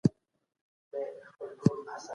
څنګه سرحد پر نورو هیوادونو اغیز کوي؟